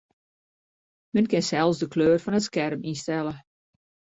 Men kin sels de kleur fan it skerm ynstelle.